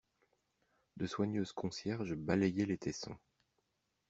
De soigneuses concierges balayaient les tessons.